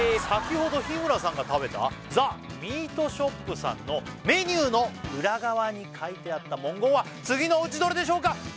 先ほど日村さんが食べたザ・ミートショップさんのメニューの裏側に書いてあった文言は次のうちどれでしょうか？